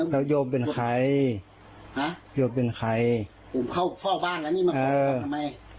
แล้วโยมเป็นใครฮะโยมเป็นใครผมเข้าเฝ้าบ้านแล้วนี่มาเออทำไม